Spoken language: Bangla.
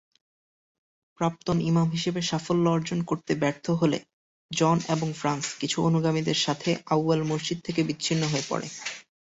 প্রাক্তন ইমাম হিসাবে সাফল্য অর্জন করতে ব্যর্থ হলে জন এবং ফ্রান্স কিছু অনুগামীদের সাথে আউয়াল মসজিদ থেকে বিচ্ছিন্ন হয়ে পড়ে।